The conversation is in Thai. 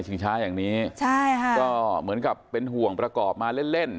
ชิงช้าอย่างนี้ใช่ค่ะก็เหมือนกับเป็นห่วงประกอบมาเล่นเล่น